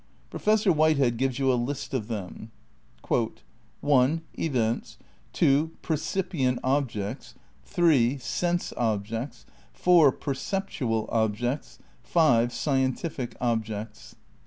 Professor Whitehead gives you a list of them. "i) Events,(ii) percipient objects^iii) sense objects ^|v) perceptual objects V) scientific objects.'"